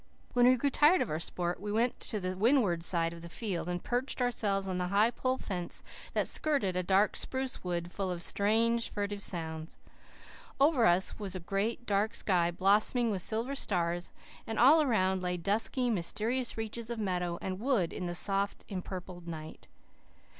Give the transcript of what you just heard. When we grew tired of our sport we went to the windward side of the field and perched ourselves on the high pole fence that skirted a dark spruce wood, full of strange, furtive sounds. Over us was a great, dark sky, blossoming with silver stars, and all around lay dusky, mysterious reaches of meadow and wood in the soft, empurpled night.